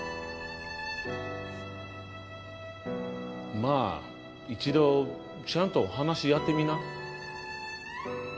まあ一度ちゃんと話し合ってみな。